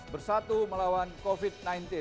bersatu melawan covid sembilan belas